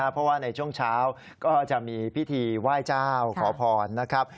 เพราะว่าในช่วงเช้าก็จะมีพิธีไหว้เจ้าขอพรนะครับ